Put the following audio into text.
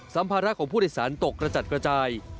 สัมภาระของผู้โดยสารตกกระจัดกระจาย